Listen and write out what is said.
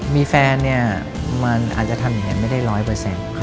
มีแฟนเนี่ยมันอาจจะทำอย่างนั้นไม่ได้ร้อยเปอร์เซ็นต์